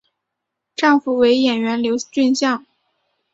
丈夫为演员刘俊相。